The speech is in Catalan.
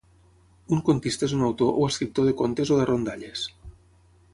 Un contista és un autor o escriptor de contes o de rondalles.